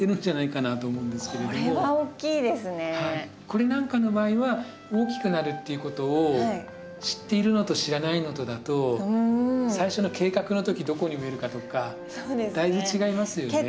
これなんかの場合は大きくなるっていうことを知っているのと知らないのとだと最初の計画の時どこに植えるかとかだいぶ違いますよね。